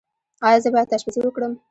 ایا زه باید اشپزي وکړم؟